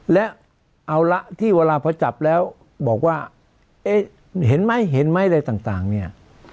และเอาละที่เวลาพอจับแล้วบอกว่าเอ๊ะเห็นไหมเห็นไหมอะไรต่างเนี่ย